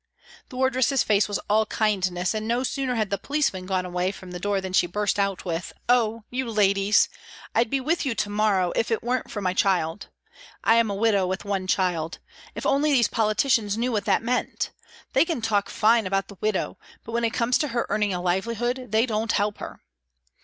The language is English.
The wardress's face was all kindness, and no sooner had the policeman gone away from the door than she burst out with :" Oh ! you ladies, I'd be with you to morrow if it weren't for my child. I am a widow with one child. If only these politicians knew what that meant ! They can talk fine about the widow, but when it comes to her earning a livelihood they don't help her."